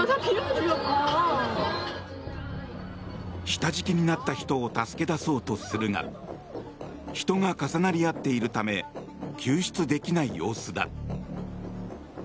下敷きになった人を助け出そうとするが人が重なり合っているため救出できない様子だ。